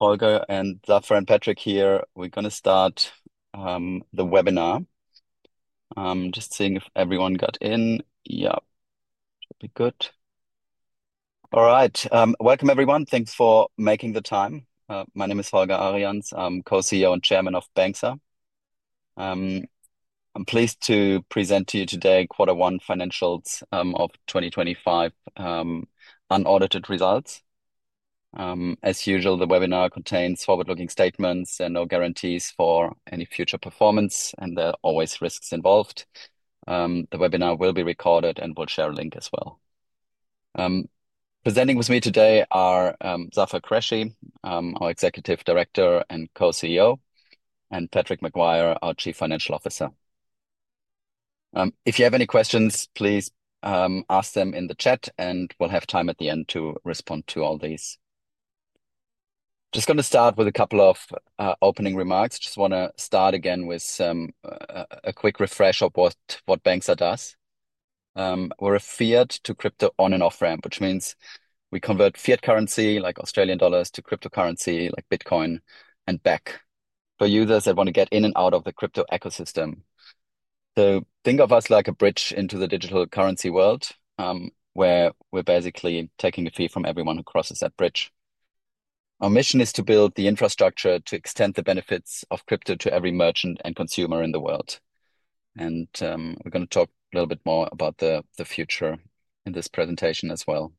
Holger and Zafer and Patrick here. We're going to start the webinar. Just seeing if everyone got in. Yeah, should be good. All right. Welcome everyone. Thanks for making the time. My name is Holger Arians. I'm Co-CEO and Chairman of Banxa. I'm pleased to present to you today Quarter One financials of 2025, unaudited results. As usual, the webinar contains forward-looking statements and no guarantees for any future performance, and there are always risks involved. The webinar will be recorded and we'll share a link as well. Presenting with me today are Zafer Qureshi, our Executive Director and Co-CEO, and Patrick Maguire, our Chief Financial Officer. If you have any questions, please ask them in the chat, and we'll have time at the end to respond to all these. Just going to start with a couple of opening remarks. Just want to start again with a quick refresh of what Banxa does. We're a fiat to crypto on and off ramp, which means we convert fiat currency, like Australian dollars, to cryptocurrency, like Bitcoin, and back for users that want to get in and out of the crypto ecosystem. So think of us like a bridge into the digital currency world, where we're basically taking a fee from everyone who crosses that bridge. Our mission is to build the infrastructure to extend the benefits of crypto to every merchant and consumer in the world. We're going to talk a little bit more about the future in this presentation as well.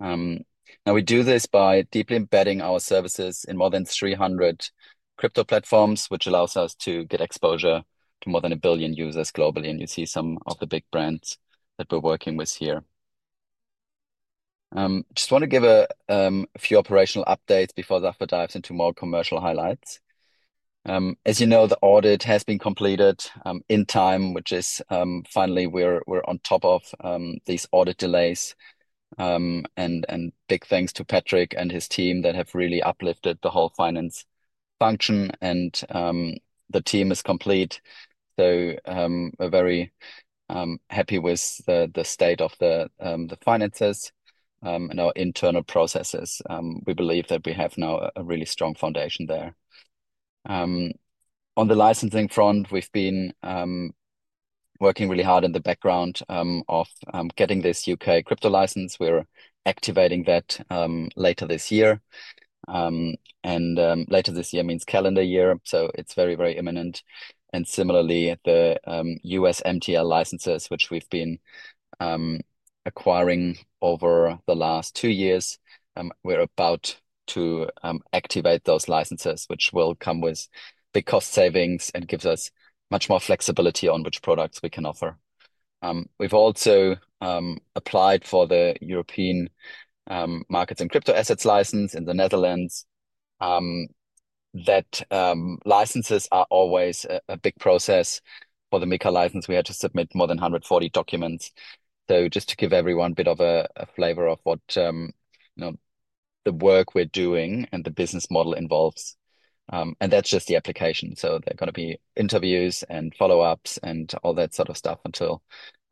Now we do this by deeply embedding our services in more than 300 crypto platforms, which allows us to get exposure to more than a billion users globally. And you see some of the big brands that we're working with here. Just want to give a few operational updates before Zafer dives into more commercial highlights. As you know, the audit has been completed in time, which is finally we're on top of these audit delays. And big thanks to Patrick and his team that have really uplifted the whole finance function. And the team is complete. So, we're very happy with the state of the finances and our internal processes. We believe that we have now a really strong foundation there. On the licensing front, we've been working really hard in the background of getting this U.K. crypto license. We're activating that later this year. And later this year means calendar year. So it's very imminent. And similarly, the U.S. MTL licenses, which we've been acquiring over the last two years, we're about to activate those licenses, which will come with big cost savings and gives us much more flexibility on which products we can offer. We've also applied for the European Markets in Crypto-Assets license in the Netherlands. Those licenses are always a big process. For the MiCA license, we had to submit more than 140 documents. So just to give everyone a bit of a flavor of what you know the work we're doing and the business model involves. And that's just the application. So there are going to be interviews and follow-ups and all that sort of stuff until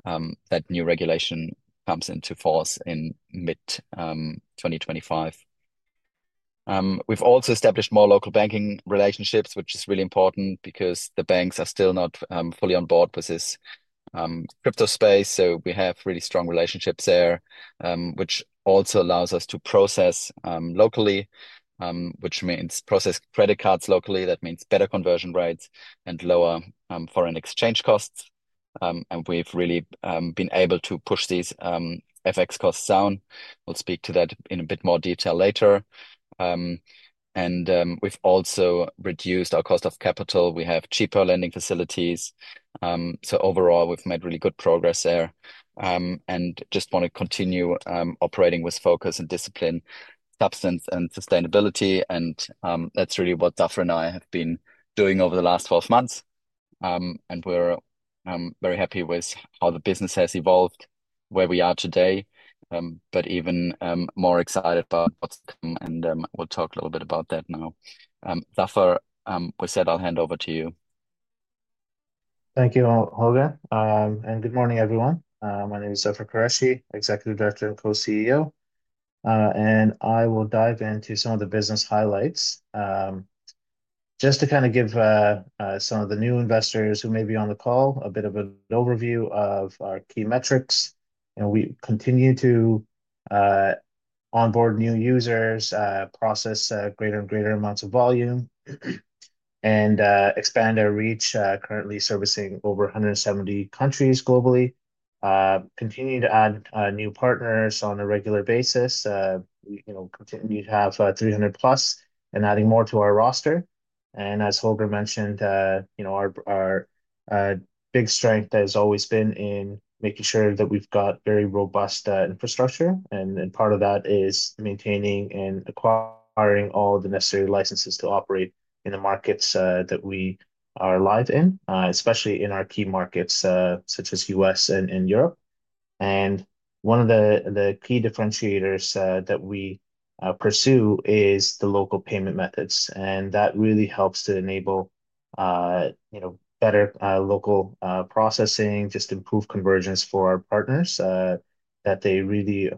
that new regulation comes into force in mid-2025. We've also established more local banking relationships, which is really important because the banks are still not fully on board with this crypto space. So we have really strong relationships there, which also allows us to process locally, which means process credit cards locally. That means better conversion rates and lower foreign exchange costs. And we've really been able to push these FX costs down. We'll speak to that in a bit more detail later. And we've also reduced our cost of capital. We have cheaper lending facilities. So overall, we've made really good progress there. And just want to continue operating with focus and discipline, substance, and sustainability. And that's really what Zafer and I have been doing over the last 12 months. And we're very happy with how the business has evolved, where we are today, but even more excited about what's to come. And we'll talk a little bit about that now. Zafer, we said I'll hand over to you. Thank you, Holger. Good morning, everyone. My name is Zafer Qureshi, Executive Director and Co-CEO. I will dive into some of the business highlights, just to kind of give some of the new investors who may be on the call a bit of an overview of our key metrics. You know, we continue to onboard new users, process greater and greater amounts of volume, and expand our reach, currently servicing over 170 countries globally, continuing to add new partners on a regular basis. You know, continue to have 300-plus and adding more to our roster. As Holger mentioned, you know, our big strength has always been in making sure that we've got very robust infrastructure. And part of that is maintaining and acquiring all the necessary licenses to operate in the markets that we are live in, especially in our key markets, such as U.S. and Europe. One of the key differentiators that we pursue is the local payment methods. And that really helps to enable you know better local processing just improve conversion for our partners that they really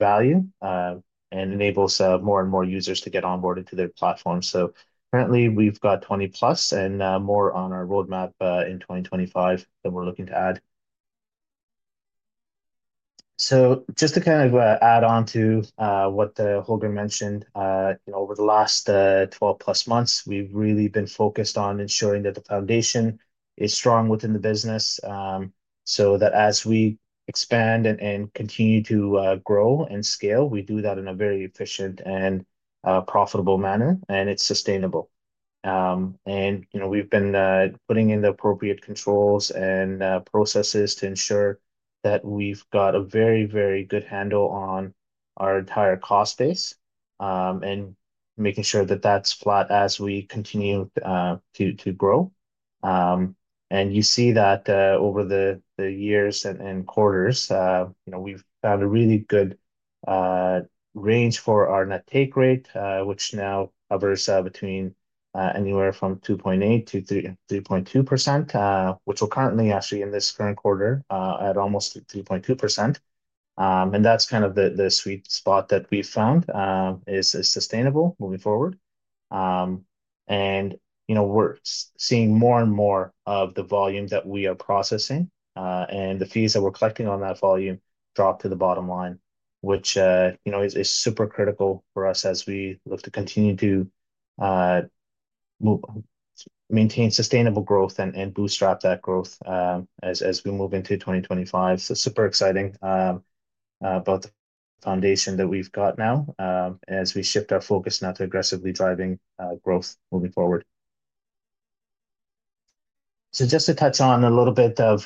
value and enables more and more users to get onboarded to their platform. So currently we've got 20 plus and more on our roadmap in 2025 that we're looking to add. Just to kind of add on to what Holger mentioned, you know, over the last 12 plus months, we've really been focused on ensuring that the foundation is strong within the business, so that as we expand and continue to grow and scale, we do that in a very efficient and profitable manner, and it's sustainable. You know, we've been putting in the appropriate controls and processes to ensure that we've got a very, very good handle on our entire cost base, and making sure that that's flat as we continue to grow. You see that over the years and quarters, you know, we've found a really good range for our net take rate, which now covers between anywhere from 2.8% to 3.2%, which we're currently actually in this current quarter at almost 3.2%. And that's kind of the sweet spot that we've found is sustainable moving forward. And you know, we're seeing more and more of the volume that we are processing, and the fees that we're collecting on that volume drop to the bottom line, which you know is super critical for us as we look to continue to maintain sustainable growth and bootstrap that growth as we move into 2025. So super exciting about the foundation that we've got now, as we shift our focus now to aggressively driving growth moving forward. So just to touch on a little bit of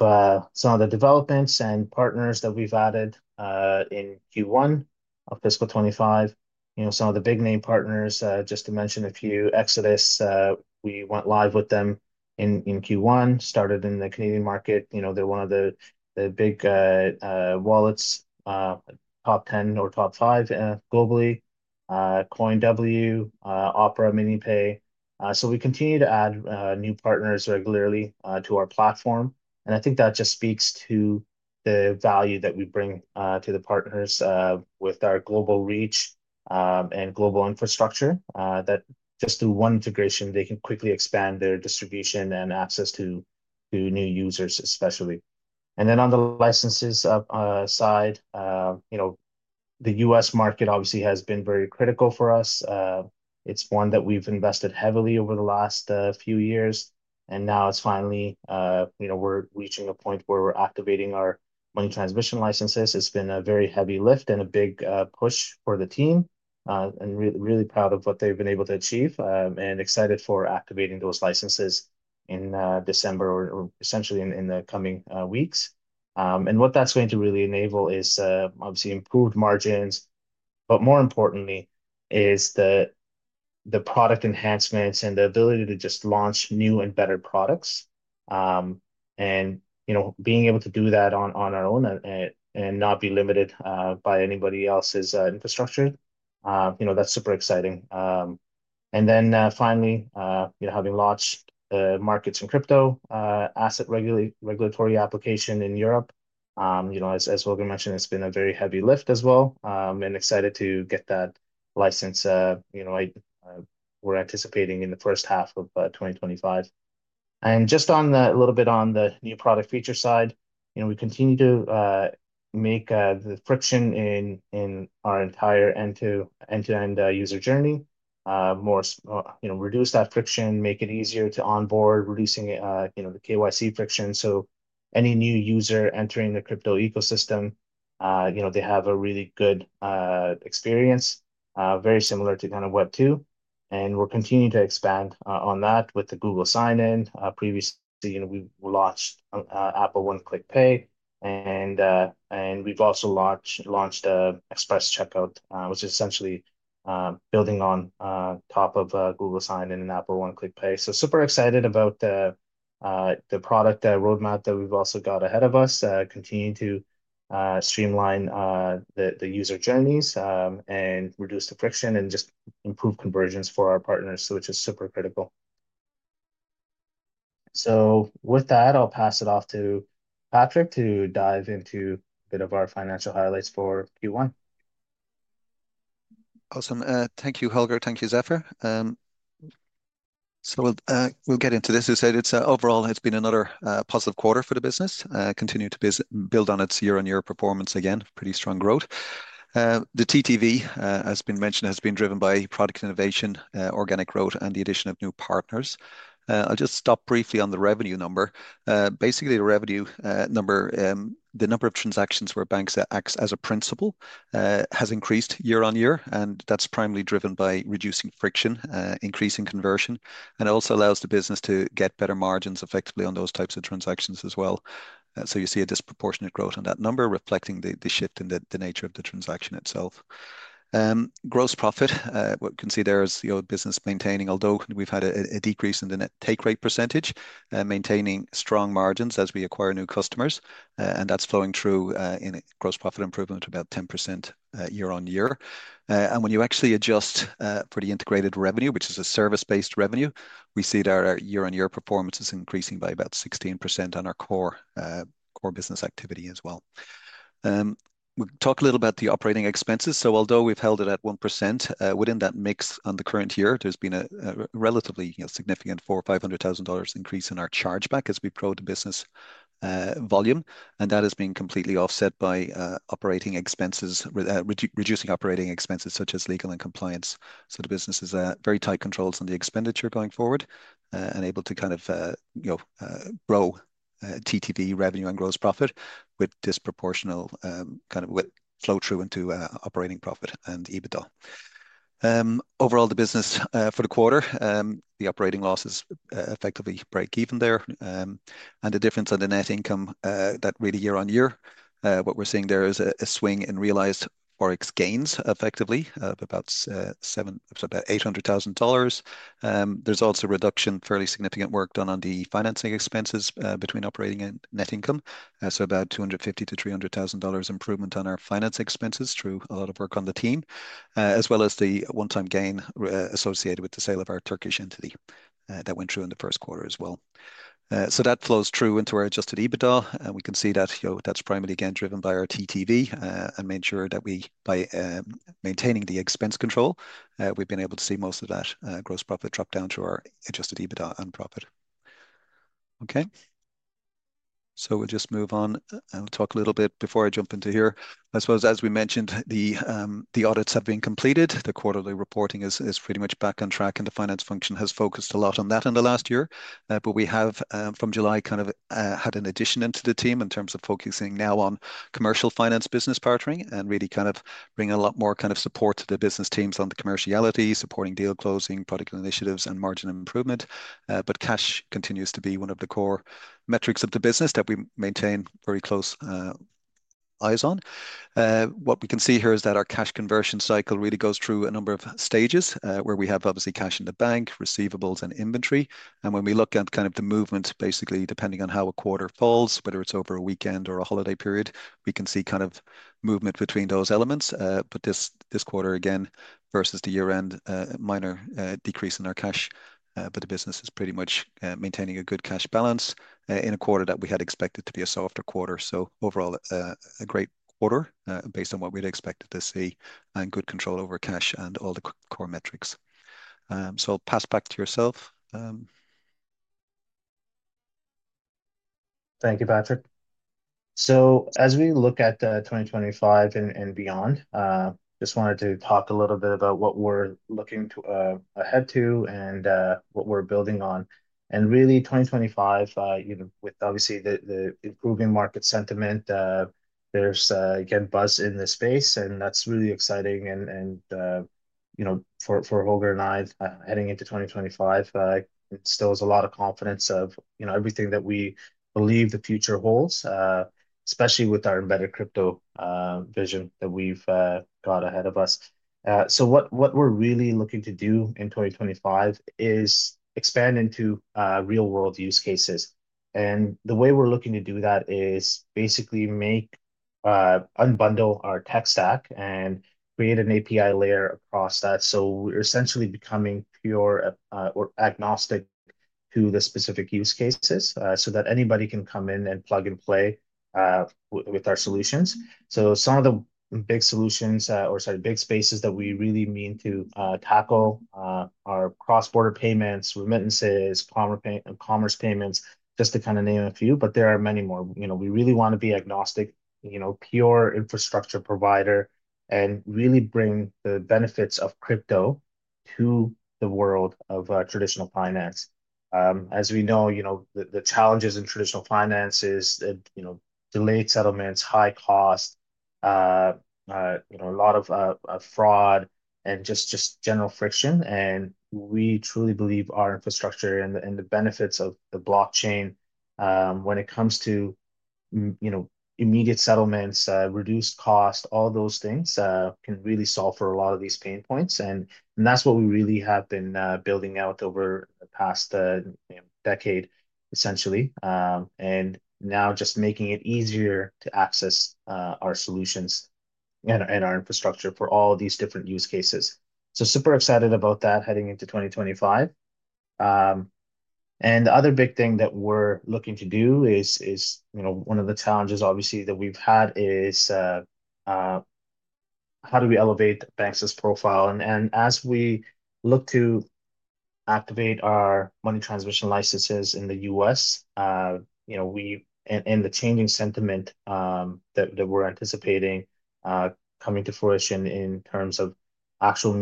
some of the developments and partners that we've added in Q1 of fiscal 2025, you know, some of the big name partners, just to mention a few Exodus. We went live with them in Q1, started in the Canadian market. You know, they're one of the big wallets, top 10 or top five, globally, CoinW, Opera, MiniPay. So we continue to add new partners regularly to our platform. And I think that just speaks to the value that we bring to the partners with our global reach and global infrastructure, that just through one integration, they can quickly expand their distribution and access to new users, especially. And then on the licensing side, you know, the U.S. market obviously has been very critical for us. It's one that we've invested heavily over the last few years. And now it's finally, you know, we're reaching a point where we're activating our money transmission licenses. It's been a very heavy lift and a big push for the team, and really, really proud of what they've been able to achieve, and excited for activating those licenses in December or essentially in the coming weeks. What that's going to really enable is obviously improved margins, but more importantly is the product enhancements and the ability to just launch new and better products. You know, being able to do that on our own and not be limited by anybody else's infrastructure. You know, that's super exciting, and then finally, you know, having launched the Markets in Crypto-Assets regulatory application in Europe, you know, as Holger mentioned, it's been a very heavy lift as well. And excited to get that license, you know, we're anticipating in the first half of 2025. And just on a little bit on the new product feature side, you know, we continue to make the friction in our entire end-to-end user journey more, you know, reduce that friction, make it easier to onboard, reducing, you know, the KYC friction. So any new user entering the crypto ecosystem, you know, they have a really good experience, very similar to kind of Web2. And we're continuing to expand on that with the Google Sign-In. Previously, you know, we launched Apple One Click Pay. And we've also launched an Express Checkout, which is essentially building on top of Google Sign-In and Apple One Click Pay. So super excited about the product roadmap that we've also got ahead of us, continue to streamline the user journeys, and reduce the friction and just improve convergence for our partners, which is super critical. So with that, I'll pass it off to Patrick to dive into a bit of our financial highlights for Q1. Awesome. Thank you, Holger. Thank you, Zafer. So we'll get into this. You said it's overall. It's been another positive quarter for the business, continue to build on its year-on-year performance again, pretty strong growth. The TTV, as has been mentioned, has been driven by product innovation, organic growth, and the addition of new partners. I'll just stop briefly on the revenue number. Basically the revenue number, the number of transactions where Banxa act as a principal, has increased year on year, and that's primarily driven by reducing friction, increasing conversion, and it also allows the business to get better margins effectively on those types of transactions as well. So you see a disproportionate growth on that number reflecting the shift in the nature of the transaction itself. Gross profit, what you can see there is, you know, business maintaining, although we've had a decrease in the net take rate percentage, maintaining strong margins as we acquire new customers. That's flowing through in gross profit improvement about 10% year on year. When you actually adjust for the integrated revenue, which is a service-based revenue, we see that our year-on-year performance is increasing by about 16% on our core business activity as well. We'll talk a little about the operating expenses. Although we've held it at 1% within that mix on the current year, there's been a relatively, you know, significant $400,000-$500,000 increase in our chargeback as we grow the business volume. That has been completely offset by reducing operating expenses such as legal and compliance. The business is very tight controls on the expenditure going forward, and able to kind of, you know, grow TTV revenue and gross profit with disproportional kind of with flow through into operating profit and EBITDA. Overall, the business for the quarter, the operating losses effectively break even there. The difference on the net income, that really year on year, what we're seeing there is a swing in realized forex gains effectively of about seven, so about $800,000. There's also reduction, fairly significant work done on the financing expenses between operating and net income. So about $250,000-$300,000 improvement on our finance expenses through a lot of work on the team, as well as the one-time gain associated with the sale of our Turkish entity that went through in the first quarter as well. So that flows true into our adjusted EBITDA. We can see that, you know, that's primarily again driven by our TTV, and made sure that we, by maintaining the expense control, we've been able to see most of that gross profit drop down to our adjusted EBITDA and profit. Okay. We'll just move on and we'll talk a little bit before I jump into here. I suppose, as we mentioned, the audits have been completed. The quarterly reporting is pretty much back on track and the finance function has focused a lot on that in the last year, but we have, from July kind of, had an addition into the team in terms of focusing now on commercial finance business partnering and really kind of bringing a lot more kind of support to the business teams on the commerciality, supporting deal closing, product initiatives, and margin improvement. But cash continues to be one of the core metrics of the business that we maintain very close eyes on. What we can see here is that our cash conversion cycle really goes through a number of stages, where we have obviously cash in the bank, receivables, and inventory, and when we look at kind of the movement, basically depending on how a quarter falls, whether it's over a weekend or a holiday period, we can see kind of movement between those elements. But this quarter again versus the year end, minor decrease in our cash, but the business is pretty much maintaining a good cash balance, in a quarter that we had expected to be a softer quarter. So overall, a great quarter, based on what we'd expected to see and good control over cash and all the core metrics, so I'll pass back to yourself. Thank you, Patrick. So as we look at 2025 and beyond, just wanted to talk a little bit about what we're looking ahead to and what we're building on. And really 2025, you know, with obviously the improving market sentiment, there's again buzz in the space and that's really exciting and you know, for Holger and I, heading into 2025, it still has a lot of confidence of, you know, everything that we believe the future holds, especially with our embedded crypto vision that we've got ahead of us. So what we're really looking to do in 2025 is expand into real world use cases. And the way we're looking to do that is basically unbundle our tech stack and create an API layer across that. So we're essentially becoming pure, or agnostic to the specific use cases, so that anybody can come in and plug and play with our solutions. So some of the big solutions, or sorry, big spaces that we really mean to tackle are cross-border payments, remittances, commerce, commerce payments, just to kind of name a few, but there are many more, you know, we really want to be agnostic, you know, pure infrastructure provider and really bring the benefits of crypto to the world of traditional finance. As we know, you know, the challenges in traditional finance is that, you know, delayed settlements, high cost, you know, a lot of fraud and just general friction. And we truly believe our infrastructure and the benefits of the blockchain, when it comes to, you know, immediate settlements, reduced cost, all those things, can really solve for a lot of these pain points. And that's what we really have been building out over the past decade, essentially. And now just making it easier to access our solutions and our infrastructure for all these different use cases. So super excited about that heading into 2025. And the other big thing that we're looking to do is, you know, one of the challenges obviously that we've had is, how do we elevate Banxa's profile? As we look to activate our money transmitter licenses in the U.S., you know, and the changing sentiment that we're anticipating coming to fruition in terms of actual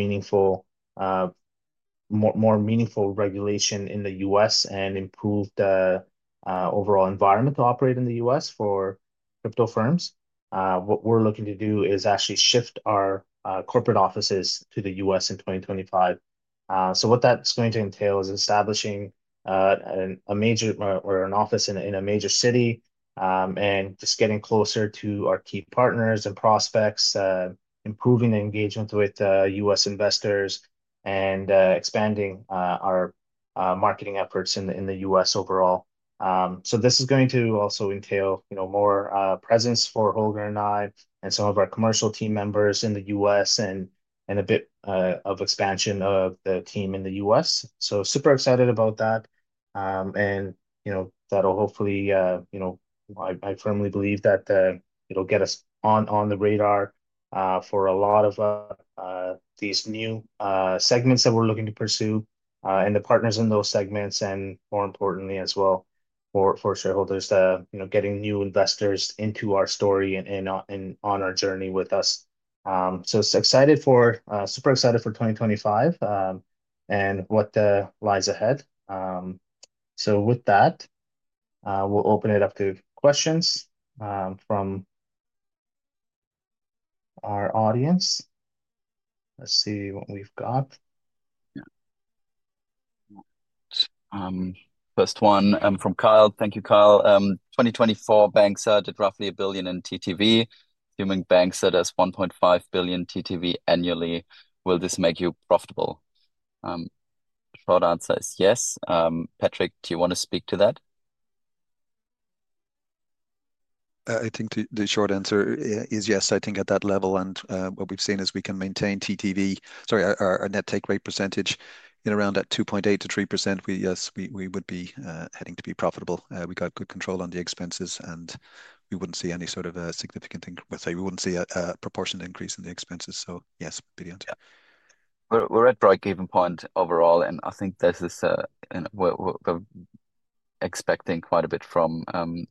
more meaningful regulation in the U.S. and improved overall environment to operate in the U.S. for crypto firms. What we're looking to do is actually shift our corporate offices to the U.S. in 2025, so what that's going to entail is establishing a major or an office in a major city and just getting closer to our key partners and prospects, improving the engagement with U.S. investors and expanding our marketing efforts in the U.S. overall. This is going to also entail, you know, more presence for Holger and I and some of our commercial team members in the U.S. and a bit of expansion of the team in the U.S. So super excited about that. And, you know, that'll hopefully, you know, I firmly believe that it'll get us on the radar for a lot of these new segments that we're looking to pursue, and the partners in those segments and more importantly as well for shareholders to, you know, getting new investors into our story and on our journey with us. So excited for, super excited for 2025, and what lies ahead. So with that, we'll open it up to questions from our audience. Let's see what we've got. Yeah. First one, from Kyle. Thank you, Kyle. In 2024, Banxa added roughly a billion in TTV, assuming Banxa adds 1.5 billion TTV annually. Will this make you profitable? Short answer is yes. Patrick, do you wanna speak to that? I think the short answer is yes. I think at that level and what we've seen is we can maintain TTV, sorry, our net take rate percentage in around at 2.8%-3%. We yes, we would be heading to be profitable. We got good control on the expenses and we wouldn't see any sort of significant increase. I say we wouldn't see a proportionate increase in the expenses. So yes, beyond. Yeah. We're at break even point overall, and I think this is and we're expecting quite a bit from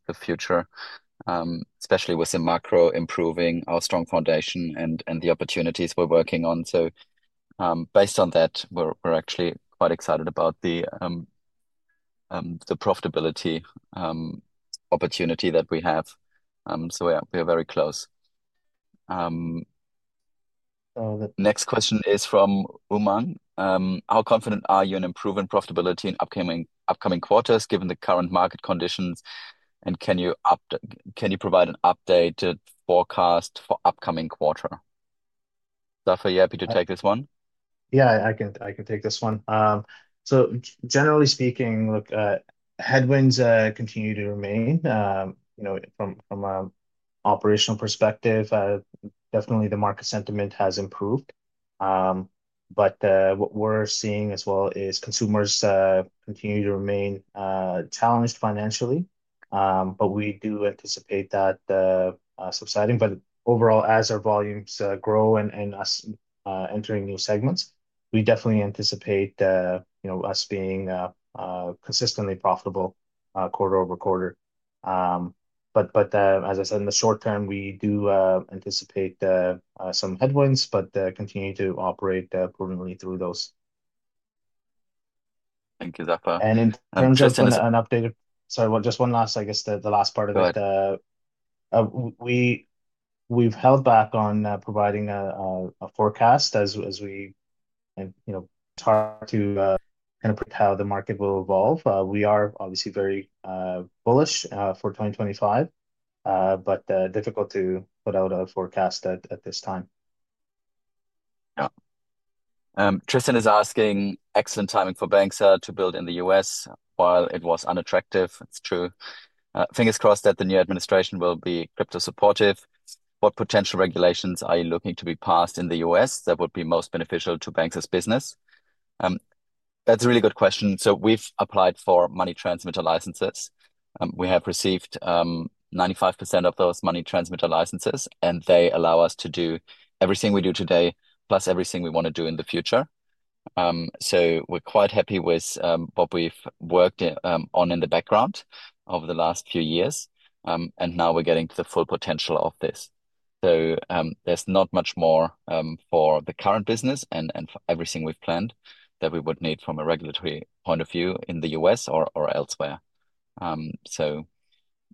the future, especially with the macro improving, our strong foundation and the opportunities we're working on. So, based on that, we're actually quite excited about the profitability opportunity that we have. So we are very close. So the next question is from Umang. How confident are you in improving profitability in upcoming quarters given the current market conditions? And can you provide an updated forecast for upcoming quarter? Zafer, you happy to take this one? Yeah, I can take this one. So generally speaking, look, headwinds continue to remain. You know, from an operational perspective, definitely the market sentiment has improved. But what we're seeing as well is consumers continue to remain challenged financially. But we do anticipate that subsiding. But overall, as our volumes grow and us entering new segments, we definitely anticipate, you know, us being consistently profitable, quarter over quarter. But as I said, in the short term, we do anticipate some headwinds, but continue to operate prudently through those. Thank you, Zafer. In terms of an updated, sorry, well, just one last, I guess, the last part of it, we've held back on providing a forecast as we, you know, talk to kind of how the market will evolve. We are obviously very bullish for 2025, but difficult to put out a forecast at this time. Yeah. Tristan is asking, excellent timing for Banxa to build in the U.S. while it was unattractive. It's true. Fingers crossed that the new administration will be crypto supportive. What potential regulations are you looking to be passed in the U.S. that would be most beneficial to Banxa's business? That's a really good question, so we've applied for money transmitter licenses. We have received 95% of those money transmitter licenses, and they allow us to do everything we do today, plus everything we wanna do in the future, so we're quite happy with what we've worked on in the background over the last few years, and now we're getting to the full potential of this, so there's not much more for the current business and for everything we've planned that we would need from a regulatory point of view in the U.S. or elsewhere. So,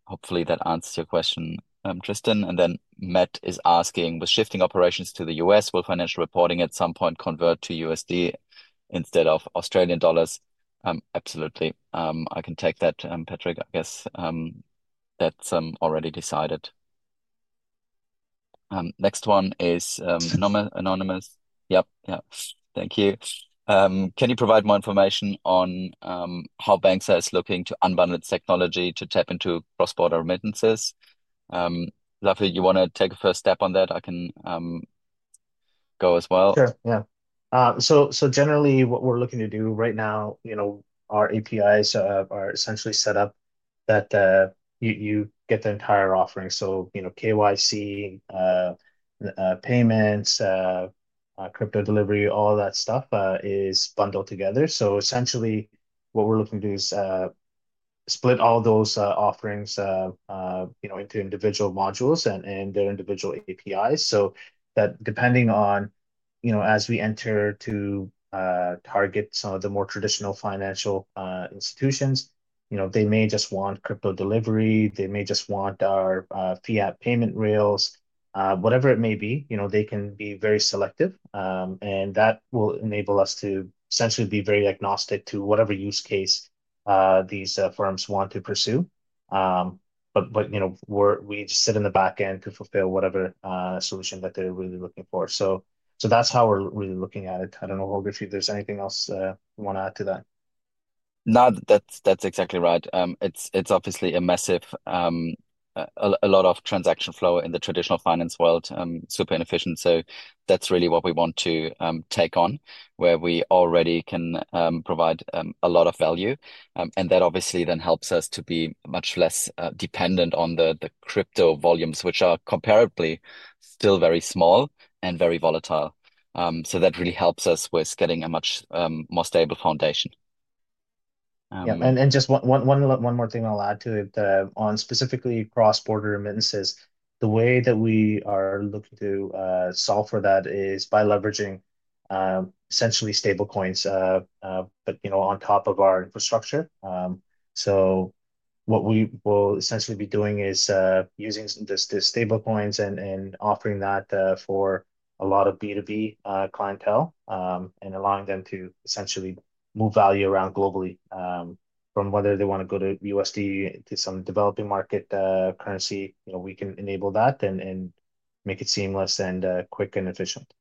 hopefully that answers your question, Tristan. And then Matt is asking, with shifting operations to the U.S., will financial reporting at some point convert to USD instead of Australian dollars? Absolutely. I can take that, Patrick. I guess that's already decided. Next one is anonymous. Yep. Yeah. Thank you. Can you provide more information on how Banxa are looking to unbundle its technology to tap into cross-border remittances? Zafer, you wanna take a first step on that? I can go as well. Sure. Yeah. So generally what we're looking to do right now, you know, our APIs are essentially set up that you get the entire offering. So, you know, KYC, payments, crypto delivery, all that stuff, is bundled together. So essentially what we're looking to do is split all those offerings, you know, into individual modules and their individual APIs. So that depending on, you know, as we enter to target some of the more traditional financial institutions, you know, they may just want crypto delivery, they may just want our fiat payment rails, whatever it may be, you know, they can be very selective. And that will enable us to essentially be very agnostic to whatever use case these firms want to pursue. But you know, we sit in the back end to fulfill whatever solution that they're really looking for. So that's how we're really looking at it. I don't know, Holger, if there's anything else you wanna add to that? No, that's exactly right. It's obviously a massive lot of transaction flow in the traditional finance world, super inefficient, so that's really what we want to take on where we already can provide a lot of value, and that obviously then helps us to be much less dependent on the crypto volumes, which are comparably still very small and very volatile, so that really helps us with getting a much more stable foundation. Yeah, and just one more thing I'll add to it, on specifically cross-border remittances. The way that we are looking to solve for that is by leveraging essentially stablecoins, but you know, on top of our infrastructure, so what we will essentially be doing is using this stablecoins and offering that for a lot of B2B clientele, and allowing them to essentially move value around globally, from whether they wanna go to USD to some developing market currency, you know, we can enable that and make it seamless and quick and efficient.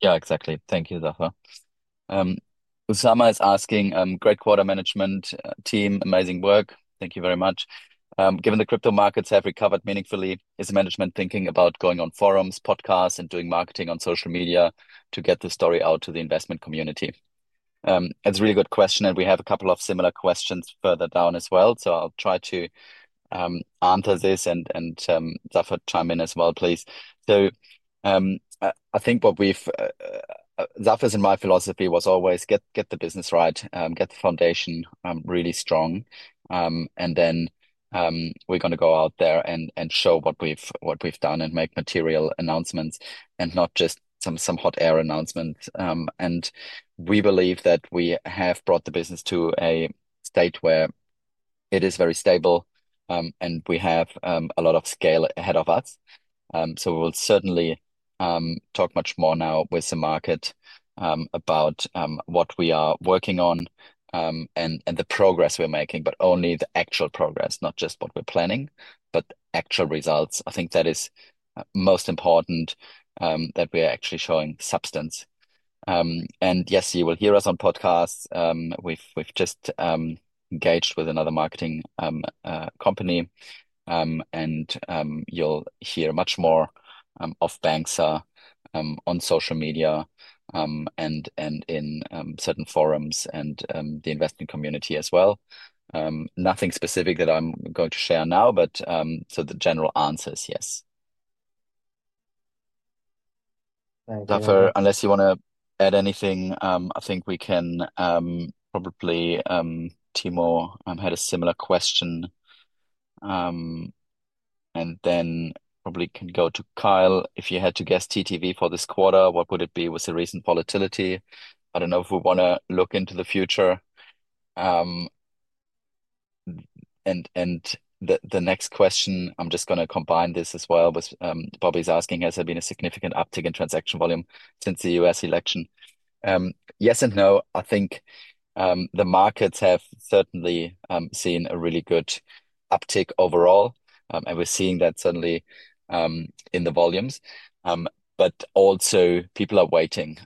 Yeah, exactly. Thank you, Zafer. Osama is asking, great quarter management team, amazing work. Thank you very much. Given the crypto markets have recovered meaningfully, is the management thinking about going on forums, podcasts, and doing marketing on social media to get the story out to the investment community? That's a really good question, and we have a couple of similar questions further down as well. So I'll try to answer this and Zafer, chime in as well, please. So, I think what we've Zafer's and my philosophy was always get the business right, get the foundation really strong, and then we're gonna go out there and show what we've done and make material announcements and not just some hot air announcements. And we believe that we have brought the business to a state where it is very stable, and we have a lot of scale ahead of us. So we will certainly talk much more now with the market about what we are working on and the progress we are making, but only the actual progress, not just what we're planning, but actual results. I think that is most important, that we are actually showing substance. And yes, you will hear us on podcasts. We've just engaged with another marketing company. And you'll hear much more of Banxa on social media and in certain forums and the investment community as well. Nothing specific that I'm going to share now, but so the general answer is yes. Thank you. Zafer, unless you wanna add anything, I think we can, probably, Timo, had a similar question. And then probably can go to Kyle. If you had to guess TTV for this quarter, what would it be with the recent volatility? I don't know if we wanna look into the future. And the next question, I'm just gonna combine this as well with, Bobby's asking, has there been a significant uptick in transaction volume since the U.S. election? Yes and no. I think, the markets have certainly, seen a really good uptick overall. And we're seeing that certainly, in the volumes. But also people are waiting.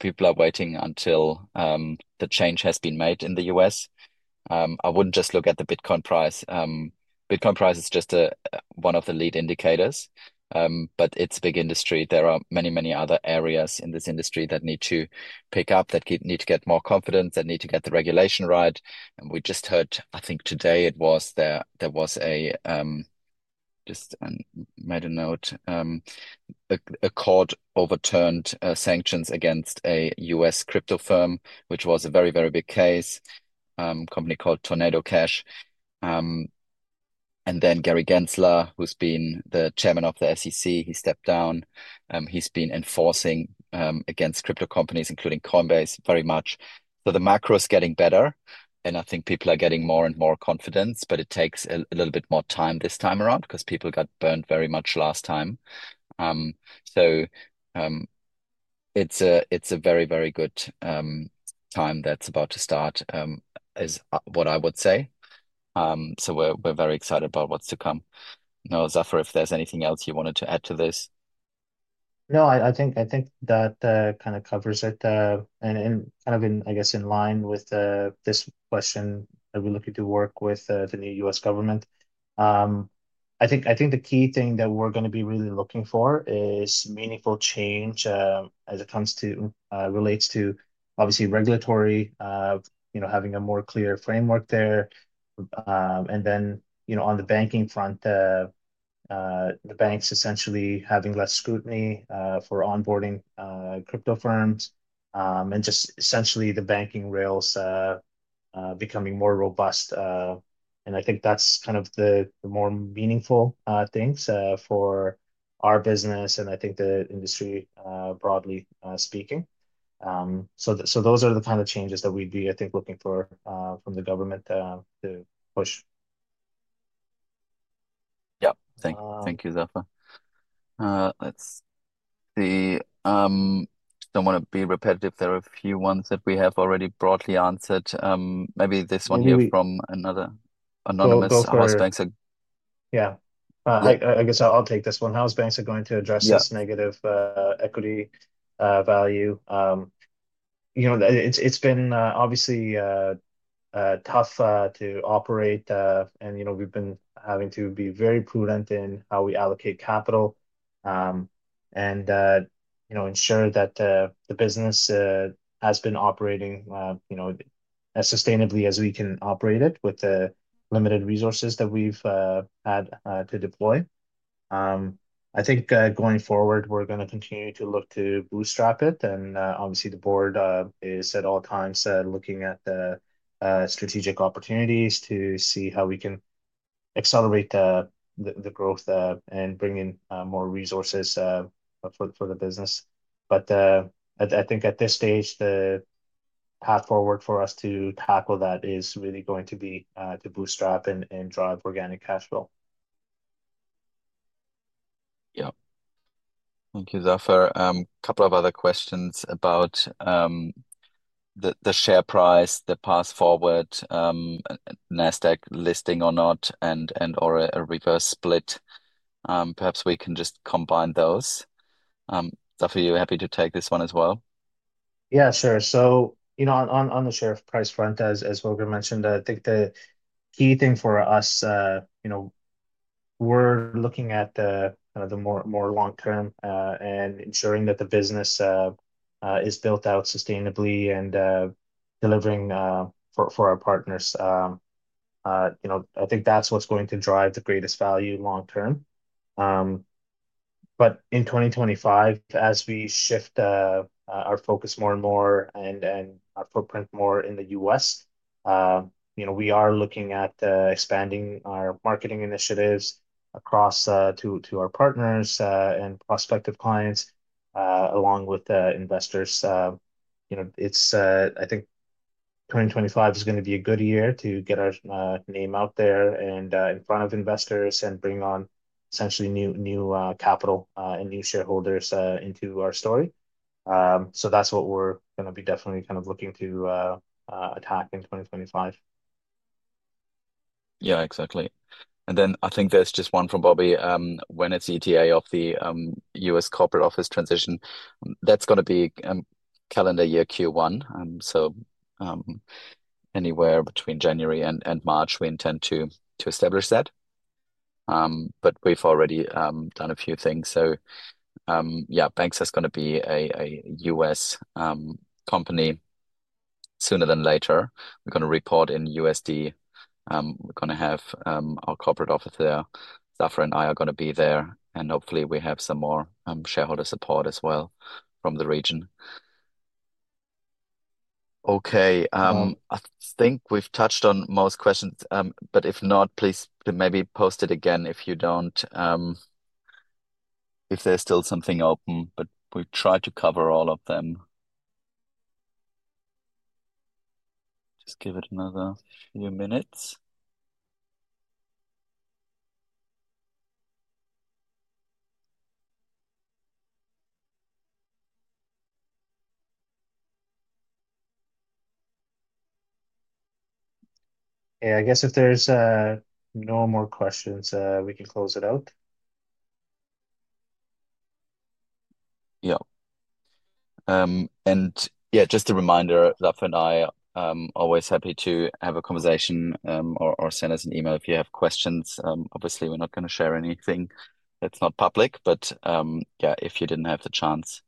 People are waiting until, the change has been made in the U.S. I wouldn't just look at the Bitcoin price. Bitcoin price is just a, one of the lead indicators. But it's a big industry. There are many, many other areas in this industry that need to pick up, that need to get more confidence, that need to get the regulation right. We just heard, I think today it was, a court overturned sanctions against a U.S. crypto firm, which was a very, very big case, company called Tornado Cash. Then Gary Gensler, who's been the Chairman of the SEC, he stepped down. He's been enforcing against crypto companies, including Coinbase, very much. The macro is getting better, and I think people are getting more and more confidence, but it takes a little bit more time this time around 'cause people got burned very much last time. It's a very, very good time that's about to start, is what I would say. So we're very excited about what's to come. Now, Zafer, if there's anything else you wanted to add to this. No, I think, I think that kind of covers it, and kind of in, I guess, in line with this question that we're looking to work with the new U.S. government. I think the key thing that we're gonna be really looking for is meaningful change, as it comes to relates to obviously regulatory, you know, having a more clear framework there. And then, you know, on the banking front, the b essentially having less scrutiny for onboarding crypto firms. And just essentially the banking rails becoming more robust. And I think that's kind of the more meaningful things for our business and I think the industry, broadly speaking. So those are the kind of changes that we'd be, I think, looking for from the government to push. Yep. Thank you, Zafer. Let's see. Don't wanna be repetitive. There are a few ones that we have already broadly answered. Maybe this one here from another anonymous. How Banxa are. Yeah. I guess I'll take this one. How Banxa is going to address this negative equity value. You know, it's been obviously tough to operate, and you know, we've been having to be very prudent in how we allocate capital and you know ensure that the business has been operating you know as sustainably as we can operate it with the limited resources that we've had to deploy. I think going forward, we're gonna continue to look to bootstrap it. Obviously the board is at all times looking at the strategic opportunities to see how we can accelerate the growth and bring in more resources for the business, but I think at this stage the path forward for us to tackle that is really going to be to bootstrap and drive organic cash flow. Yep. Thank you, Zafer. A couple of other questions about the share price, the path forward, NASDAQ listing or not, and or a reverse split. Perhaps we can just combine those. Zafer, you're happy to take this one as well? Yeah, sure. So, you know, on the share price front, as Holger mentioned, I think the key thing for us, you know, we're looking at the kind of the more long term, and ensuring that the business is built out sustainably and delivering for our partners. You know, I think that's what's going to drive the greatest value long term. But in 2025, as we shift our focus more and more and our footprint more in the U.S., you know, we are looking at expanding our marketing initiatives across to our partners and prospective clients, along with investors. You know, it's, I think 2025 is gonna be a good year to get our name out there and in front of investors and bring on essentially new capital and new shareholders into our story. So that's what we're gonna be definitely kind of looking to attack in 2025. Yeah, exactly. And then I think there's just one from Bobby, when it's ETA of the U.S. corporate office transition. That's gonna be calendar year Q1. So, anywhere between January and March, we intend to establish that. But we've already done a few things. So, yeah, Banxa is gonna be a U.S. company sooner than later. We're gonna report in USD. We're gonna have our corporate office. Zafer and I are gonna be there, and hopefully we have some more shareholder support as well from the region. Okay. I think we've touched on most questions. But if not, please maybe post it again if you don't, if there's still something open, but we've tried to cover all of them. Just give it another few minutes. Yeah, I guess if there's no more questions, we can close it out. Yep. And yeah, just a reminder, Zafer and I always happy to have a conversation or send us an email if you have questions. Obviously we're not gonna share anything that's not public, but yeah, if you didn't have the chance,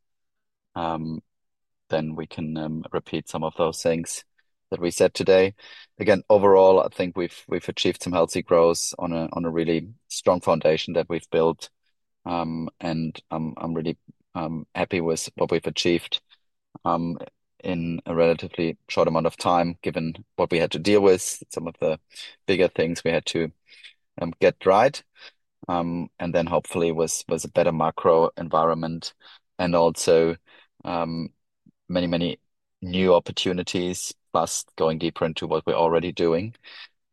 then we can repeat some of those things that we said today. Again, overall, I think we've achieved some healthy growth on a really strong foundation that we've built. And I'm really happy with what we've achieved in a relatively short amount of time given what we had to deal with, some of the bigger things we had to get right. And then hopefully with a better macro environment and also many new opportunities plus going deeper into what we're already doing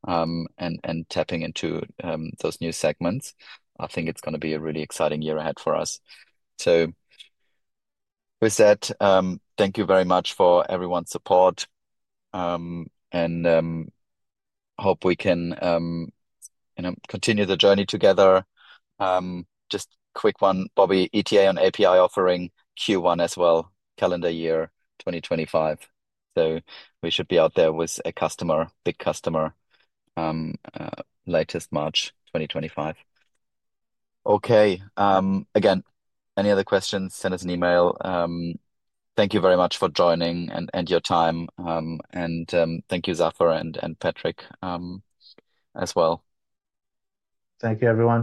and tapping into those new segments. I think it's gonna be a really exciting year ahead for us. So with that, thank you very much for everyone's support, and hope we can, you know, continue the journey together. Just quick one, Bobby: ETA on API offering Q1 as well, calendar year 2025, so we should be out there with a customer, big customer, latest March 2025. Okay. Again, any other questions, send us an email. Thank you very much for joining and, and your time, and thank you, Zafer and, and Patrick, as well. Thank you, everyone.